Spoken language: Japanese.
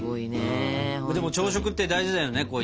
でも朝食って大事だよね。